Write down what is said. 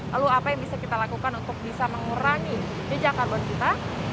lalu apa yang bisa kita lakukan untuk bisa mengurangi jejak karbon kita